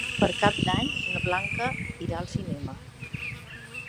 Per Cap d'Any na Blanca irà al cinema.